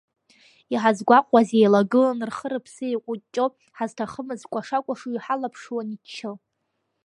Иҳазгәаҟуаз еилагылан рхы-рыԥсы еиҟәыҷҷо, ҳазҭахымыз кәаша-кәашо иҳалаԥшуан иччо.